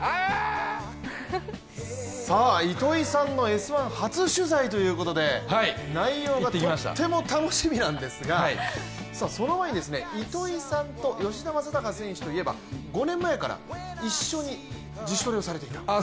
糸井さんの「Ｓ☆１」初取材ということで内容がとっても楽しみなんですがその前に、糸井さんと吉田正尚選手といえば５年前から一緒に自主トレをされていた？